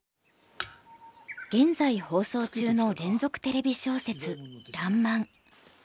現在放送中の連続テレビ小説「らんまん」。